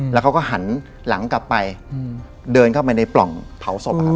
แล้วเขาก็หันหลังกลับไปเดินเข้าไปในปล่องเผาศพอะครับ